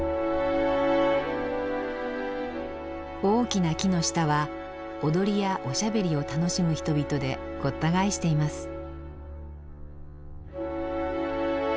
大きな木の下は踊りやおしゃべりを楽しむ人々でごった返しています。